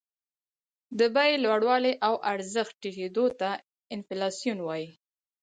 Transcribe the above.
د بیې لوړوالي او ارزښت ټیټېدو ته انفلاسیون وايي